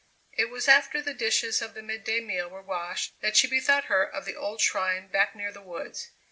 It was after the dishes of the midday meal were washed that she bethought her of the old shrine back near the woods.